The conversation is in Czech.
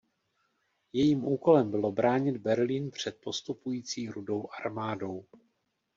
Jejím úkolem bylo bránit Berlín před postupující Rudou armádou.